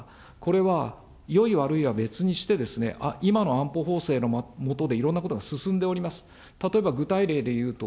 それから安保法制ですが、これは、よい悪いは別にして、今の安保法制の下でいろんなことが進んでおります。